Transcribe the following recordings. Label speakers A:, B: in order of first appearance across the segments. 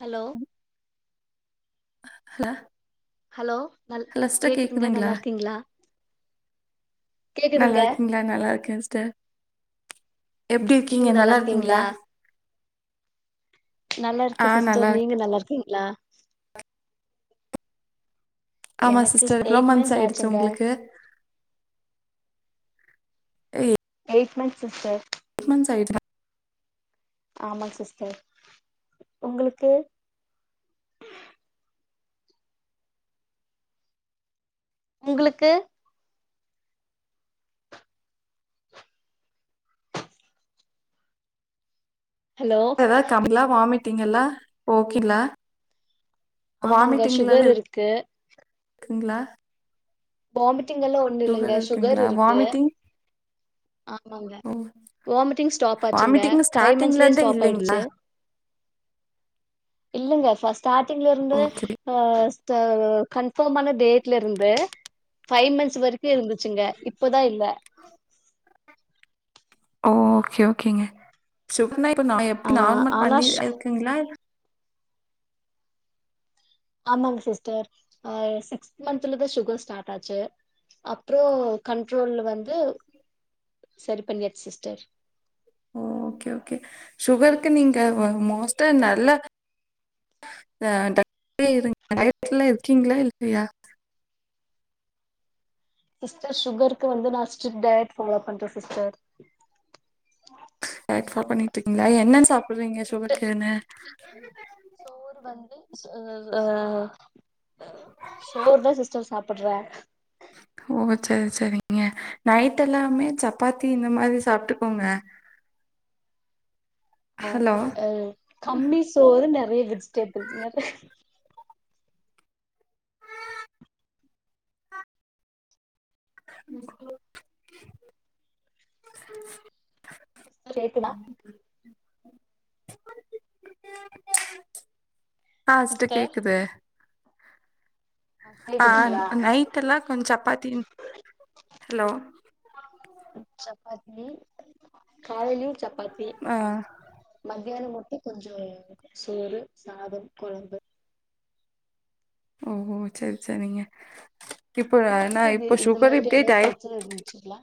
A: Hello
B: அஹல
A: hello ந கேக்குதுங்க நல்லா இருக்கீங்களா
B: நல்லா
A: கேக்குதுங்க
B: இருக்கீங்களா நல்லா இருக்க சிஸ்டர் எப்படி இக்கீங்க நல்லா இருக்கீங்களா
A: நல்லா இருக்க
B: ஆ நல்லா
A: சிஸ்டர்
B: இருக்
A: நீங்க நல்லா இருக்கீங்களா
B: ஆமா
A: எனக்குஸ்
B: சிஸ்டர் எவ்ளோ
A: எயிட் மந்த்ஸ்
B: ஆயிடுச்சு
A: ஆச்சுங்க
B: உங்களுக்கு
A: எயிட் மண்த்ஸ் சிஸ்டர்
B: சீஸ் மந் ஆச்சா
A: ஆமா சிஸ்டர் உங்களுக்கு உங்களுக்கு ஹலோ
B: ஏதாவது கம்லா வாமிட்டிங்லா ஓகல
A: ஆமாங்க சுகர் இருக்கு
B: ங்களா
A: வாமிட்டிங் எல்லாம் ஒன்னு இல்லங்க சுகர் இருக்கு ஆமாங்க
B: ஓ
A: வாமிட்டிங் ஸ்டாப் ஆச்சுங்க
B: வாமிட்டிங்னு
A: ஃபைவ்
B: ஸ்டார்டிங்ல
A: மந்த்ஸ்லயே
B: இந்தே
A: ஸ்டாப்
B: இல்லைங்களா
A: ஆயிடுச்சு இல்லங்க ஃபா ஸ்டார்டிங்ல இருந்து
B: ஓகே
A: ஆ தா கன்ஃபார்ம் ஆன டேட்லருந்து ஃபைவ் மந்த்ஸ் வரைக்கும் இருந்துச்சுங்க இப்பதா இல்ல
B: ஓ ஓகே ஓகேங்க சுக இப்ப
A: ஆ
B: எப்படி நார்மல்
A: ஆனா
B: பண்ணி
A: ஷ்
B: இருக்குங்களா
A: ஆமாங்க சிஸ்டர் ஆ சிக்ஸ்த் மந்த்த்லதான் சுகர் ஸ்டார்ட் ஆச்சு அப்ரோ கண்ட்ரோல் வந்து சரி பண்ணச்சி சிஸ்டர்
B: ஓ ஓகே ஓகே சுகருக்கு நீங்க மோஸ்டா நல்ல [unintelligible] டயட்ல இருக்கீங்களா இல்லையா
A: சிஸ்டர் சுகருக்கு வந்து நான் ஸ்ட்ரிக்ட் டயட்ல ஃபாலோ பண்றேன் சிஸ்டர்
B: பண்ணிட்டு இருக்கங்களா என்னன் சாப்பிடுறீங்க
A: ஃபுட்டு
B: சுகருக்குனு
A: ஆமா சோர் வந்து சோ ஆ சோறு தான் சிஸ்டர் சாப்புடுற
B: உ ஓ சரி சரிங்க நைட் எல்லாமே சப்பாத்தி இந்த மாதிரி சாப்பிட்டுக்கோங்க
A: ஆ
B: ஹலோ?
A: அ கம்மி சோறு நறைய வெஜிடேபிள்ஸ் நறை
B: உ
A: கேக்குதா
B: ஆ ஸ்ட
A: சிஸ்டர்
B: கேக்குது ஆ
A: கேக்குதுங்களா
B: நைட்லாம் கொஞ் சப்பாத்தி ஹலோ
A: சப்பாத்தி காலைலயும் சப்பாத்தி
B: ஆ
A: மத மத்தியானம் மட்டும் கொஞ்சோ சோறு சாதம் குழம்பு
B: ஓ ஹோ செரி செரிங்க
A: உங்களுக்கு இத இந்த மாதிரி எவு பிரச்சன இருந்துச்சுங்களா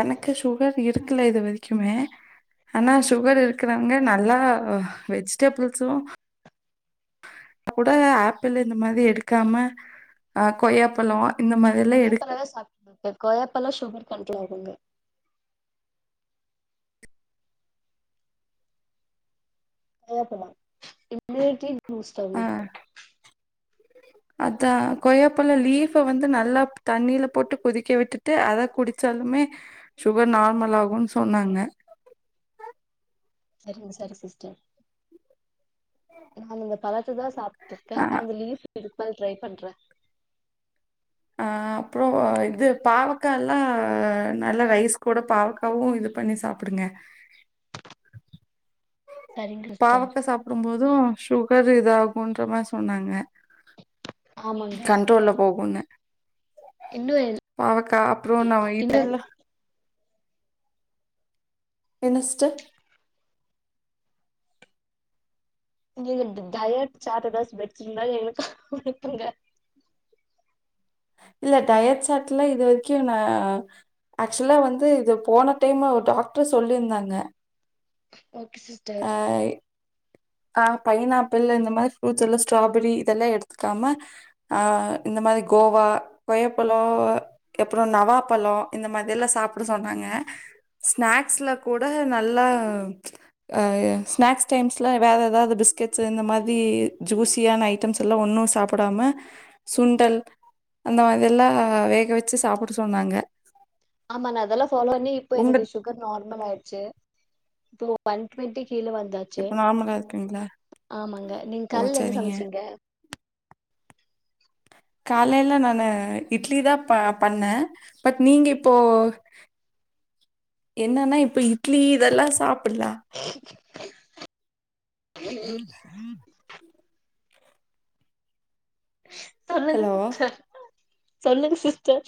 B: எனக்கு சுகர் இருக்குல இது வரைக்குமே ஆனா சுகர் இரு க்குறாங்க
A: ஓகே
B: நல்லா வெஜிடபில்ஸு இப்பக்கூட ஆப்பிள் இந்த மாதி எடுக்காம அ கொய்யாப்பழ
A: இந்த கொய்யாப்பழதா சாப்பிட்டு இருக்கே கொய்யாப்பழ சுகர் கண்ட்ரோல் ஆகுங்க நாவாப்பழ இம்முனிட்டி பூஸ்டர்
B: ஆ அதா கொய்யாப்பழ லீஃப வந்து நல்லா தண்ணீல போட்டு கொதிக்க விட்டுட்டு அத குடிச்சா மே சுகர் நார்மல் ஆகுன்னு சொன்னாங்க
A: செரிங்க சரி சிஸ்டர் நான் இந்த பழத்ததா சாப்டுட்டு இருக்கே
B: ஆ
A: அனா அந்த லீஃப் திருப்பல் ட்ரை பண்றே
B: ஆ அப்புற இது பாவக்கா எல்லா நல்லா ரைஸ் கூட பாவக்காவு இது பண்ணி சாப்பிடுங்க
A: சரிங்க சிஸ்டர்
B: பாவக்கா சாப்பிடும்போது அது சுகர் இதாகும்ன்ற மார் சொன்னாங்க
A: ஆமாங்க
B: கண்ட்ரோல போகுன்னு
A: இன்னு
B: பாவக்கா அப்ரோ நம
A: இந்த
B: இது எல்லா என்ன ஸ்ட்டர்
A: லா இந்த டயட் சாட்டு எதாவது வெச்சிங்கிலா எனக்கு அனுப்புங்க
B: இல்ல டயட் சாட்ல இது வரைக்கு நா ஆக்சுவலா வந்து இது போன டைமு ஒரு டாக்டரு சொல்லியிருந்தாங்க
A: ஓகே சிஸ்டர்
B: ஆ பைனாப்பிள் இந்த மாரி ஃப்ரூட்ஸ் எல்லா ஸ்ட்ராபெரி இதெல்லா எடுத்துக்காம ஆ இந்த மாரி கோவா கொய்யாப்பழோ அப்புறோ நவ்வாப்பழோ இந்த மாரிலா சாப்ட சொன்னாங்க அ ஸ்நாக்ஸ்ல கூட நல்லா அ ஸ்நாக்ஸ் டைம்ஸ்ல வேற எதாது பிஸ்கெட்ஸு இந்த மாரி ஜூஸியான ஐட்டம்ஸ்ல்லா ஒன்னு சாப்டாம சுண்டல் அந்த மாரிதெல்லா வேக வெச்சு சாப்ட சொன்னாங்க
A: ஆமா நா அதெல்லா ஃபாலோண்ணி இப்ப
B: உங்க
A: என்னுடைய சுகர் நார்மல் ஆயிடுச்சு இப்போ ஒன் டுவென்டி கீழ வந்தாச்சு
B: இப்ப நார்மலா இருக்குங்களா
A: ஆமாங்க நீங்க
B: ஓ
A: காலில என்ன
B: சரிங்க
A: சமைச்சீங்க
B: காலைல நான்னு இட்லி தா ப பண்ண பட் நீங்க இப்போ என்னன்னா இப்ப இட்லி இதெல்லா சாப்புடுல உம் உம் [unintelligible]
A: சொல்லுங்க
B: ஹலோ
A: சிஸ்டர் சொல்லுங்க சிஸ்டர்